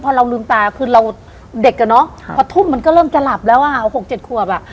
พอเราลืมตาคือเราเด็กอ่ะเนอะพอทุ่มมันก็เริ่มจะหลับแล้วอ่ะ๖๗ขวบอ่ะ